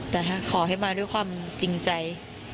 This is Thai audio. แต่ถ้าขอให้มาด้วยความจริงใจ